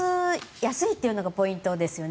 安いっていうのがポイントですよね。